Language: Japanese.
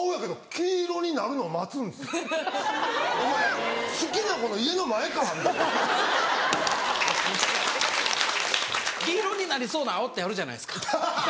黄色になりそうな青ってあるじゃないですか。